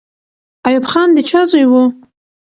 ایوب خان د چا زوی وو؟